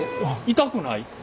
痛くない。